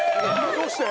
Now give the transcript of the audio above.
どうして！？